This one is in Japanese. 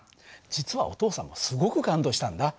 実はお父さんもすごく感動したんだ。